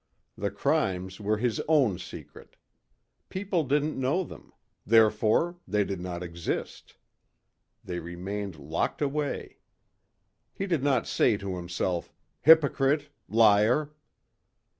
The crimes were his own secret. People didn't know them. Therefor they did not exist. They remained locked away. He did not say to himself, "Hypocrite! Liar!"